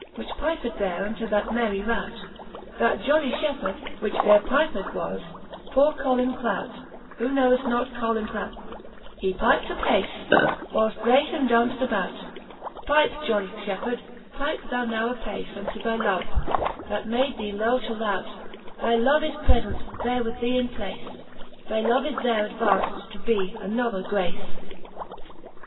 Which piped there unto that merry rout. That jolly {hepheard, which there piped, was Poore Colin Clout (who knowes not Colin Clout f) He pypt apace, whileft they him daunft about. Pype, jolly fhepheard, pype thou now apace Unto thy love, that made thee low to lout; Thy love is prefent there with thee in place, Thy love is there advaunft to be another Grace.